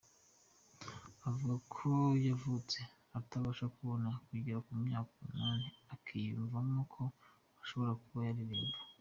Avuga ko yavutse atabasha kubona yagera ku myaka umunani akiyumvamo ko ashobora kuba yaririmba.